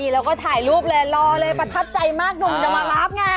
แล้วก็ถ่ายรูปเลยรอเลยประทับใจมากหนุ่มจะมารับไง